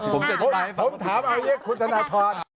ผมถามไปเรียกคุณธนทร